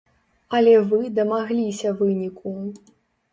Але вы дамагліся выніку.